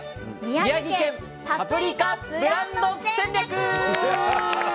宮城県パプリカブランド戦略」。